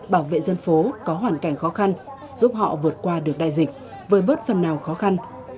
bảo vệ dân phố có hoàn cảnh khó khăn giúp họ vượt qua được đại dịch vời bớt phần nào khó khăn